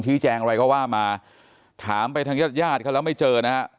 ชี้แจงอะไรก็ว่ามาถามไปทางญาติญาติเขาแล้วไม่เจอนะฮะ